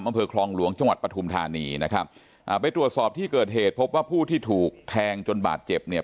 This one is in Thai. อำเภอคลองหลวงจังหวัดปฐุมธานีนะครับอ่าไปตรวจสอบที่เกิดเหตุพบว่าผู้ที่ถูกแทงจนบาดเจ็บเนี่ย